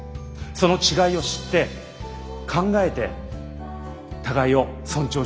その違いを知って考えて互いを尊重してください。